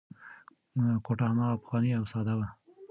کوټه هماغه پخوانۍ او ساده وه.